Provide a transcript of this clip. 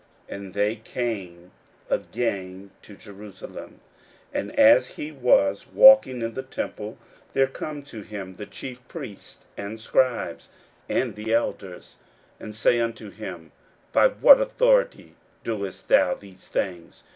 41:011:027 And they come again to Jerusalem: and as he was walking in the temple, there come to him the chief priests, and the scribes, and the elders, 41:011:028 And say unto him, By what authority doest thou these things?